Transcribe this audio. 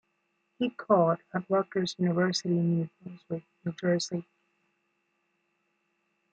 He caught at Rutgers University in New Brunswick, New Jersey.